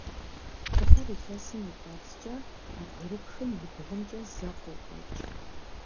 Дыгъэр илъэсым и кӏуэцӏкӏэ, а бгырыпхым и бгъумкӏэ зэ къокӏуэкӏ.